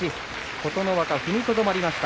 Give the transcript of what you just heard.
琴ノ若、踏みとどまりました。